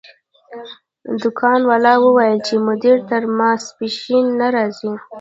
دکان والا وویل چې مدیر تر ماسپښین نه راځي.